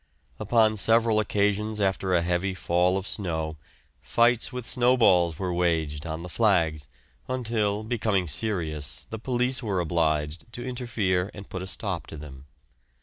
Upon several occasions after a heavy fall of snow, fights with snowballs were waged on the "flags," until, becoming serious, the police were obliged to interfere and put a stop to them.